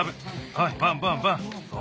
はいバンバンバン。